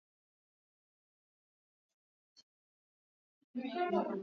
kujigongesha kichwa kwenye kitu